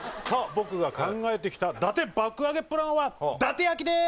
僕が考えてきた伊達爆上げプランは伊達焼きです